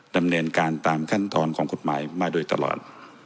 ดำเนินการตามขั้นตอนของกฎหมายมาโดยตลอด